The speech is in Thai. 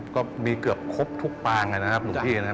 อ๋อก็มีเกือบครบทุกปางเลยนะครับผมเห็นนะคะ